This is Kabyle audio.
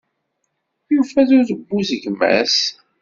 Yufa udebbuz gma-s.